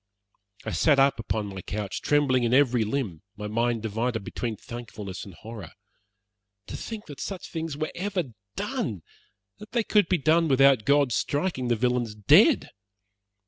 I sat up on my couch, trembling in every limb, my mind divided between thankfulness and horror. To think that such things were ever done that they could be done without God striking the villains dead.